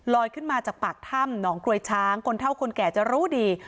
ขึ้นมาจากปากถ้ำหนองกลวยช้างคนเท่าคนแก่จะรู้ดี